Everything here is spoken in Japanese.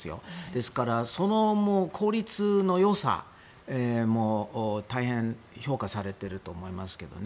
ですから効率のよさも大変評価されていると思いますけどね。